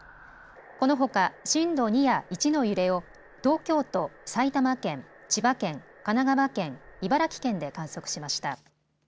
このほか震度２や１の揺れを東京都、埼玉県、千葉県、神奈川県、茨城県で観測しました。